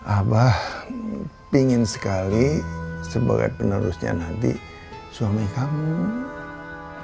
abah pingin sekali sebagai penerusnya nanti suami kamu